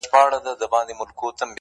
صوفي پرېښودې خبري د اورونو!!